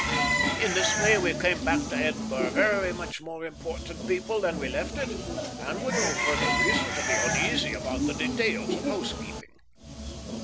In this way we came back to Edinburgh very much more important people than we left it, and with no further reason to be uneasy about the details of housekeeping.